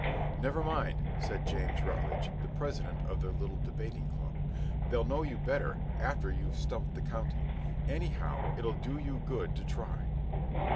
"Never mind!" said James Rutledge, the president of their little debating club. "They'll know you better after you've stumped the county. Any how, it'll do you good to try."